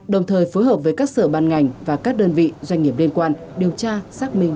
đồng thời phối hợp với các sở ban ngành và các đơn vị doanh nghiệp liên quan điều tra xác minh làm rõ vụ việc